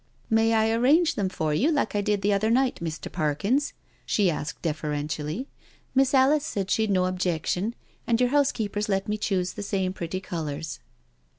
" May I arrange them for you, like I did the other night, Mr. Parkins?" she asked deferentially. "Miss Alice said she'd no objection, and the housekeeper's let me choose the same pretty colours."